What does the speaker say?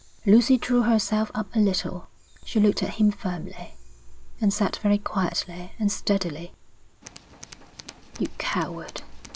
Lucy drew herself up a little. She looked at him firmly, and said very quietly and steadily: 'You coward!